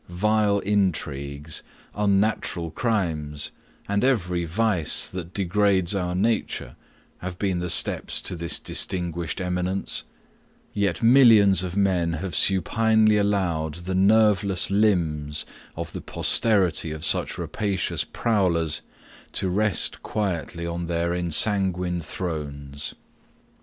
Vile intrigues, unnatural crimes, and every vice that degrades our nature, have been the steps to this distinguished eminence; yet millions of men have supinely allowed the nerveless limbs of the posterity of such rapacious prowlers, to rest quietly on their ensanguined thrones.